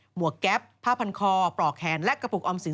วกแก๊ปผ้าพันคอปลอกแขนและกระปุกออมสิน